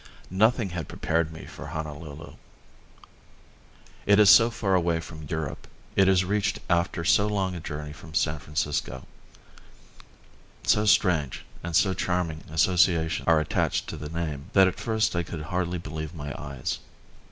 Nothing had prepared me for Honolulu. It is so far away from Europe, it is reached after so long a journey from San Francisco, so strange and so charming associations are attached to the name, that at first I could hardly believe my eyes.